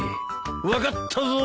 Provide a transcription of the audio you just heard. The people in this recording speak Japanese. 分かったぞ！